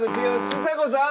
ちさ子さん。